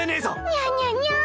にゃんにゃにゃん。